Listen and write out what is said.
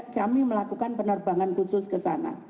kami melakukan penerbangan khusus ke sana